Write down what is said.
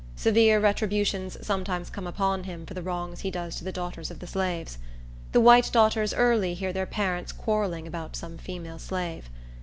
Severe retributions sometimes come upon him for the wrongs he does to the daughters of the slaves. The white daughters early hear their parents quarrelling about some female slave.